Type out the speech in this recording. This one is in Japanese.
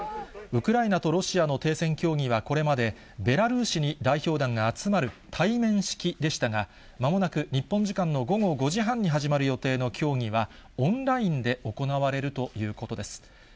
ウクライナとロシアの停戦協議はこれまで、ベラルーシに代表団が集まる対面式でしたが、まもなく日本時間の午後５時半に始まる予定の協議は、オンラインで行われるということです。